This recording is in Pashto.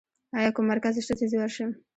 ایا کوم مرکز شته چې زه ورشم؟